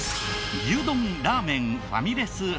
牛丼ラーメンファミレス